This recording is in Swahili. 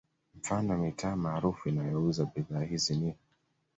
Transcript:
Mfano mitaa maarufu inayouza bidhaa hizi ni